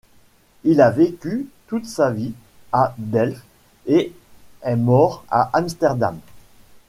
Il a vécu toute sa vie à Delft et est mort à Amsterdam.